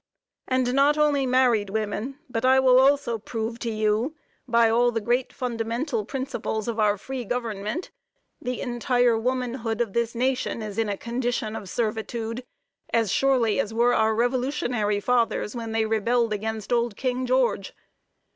And not only married women, but I will also prove to you that by all the great fundamental principles of our free government, the entire womanhood of the nation is in a "condition of servitude" as surely as were our revolutionary fathers, when they rebelled against old King George.